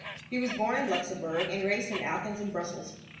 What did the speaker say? He was born in Luxembourg and raised in Athens and Brussels.